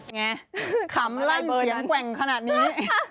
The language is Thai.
ขำลั่นเสียงแกว่งขนาดนี้